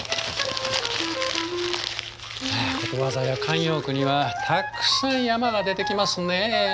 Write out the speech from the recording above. ことわざや慣用句にはたくさん「山」が出てきますね。